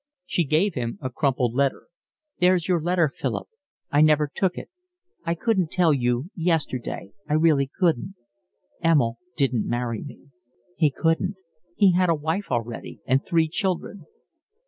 She gave him a crumpled letter. "There's your letter, Philip. I never took it. I couldn't tell you yesterday, I really couldn't. Emil didn't marry me. He couldn't. He had a wife already and three children."